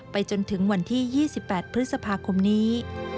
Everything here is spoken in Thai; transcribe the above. จนถึงวันที่๒๘พฤษภาคมนี้